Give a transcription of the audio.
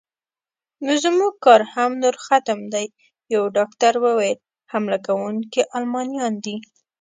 نو زموږ کار هم نور ختم دی، یو ډاکټر وویل: حمله کوونکي المانیان دي.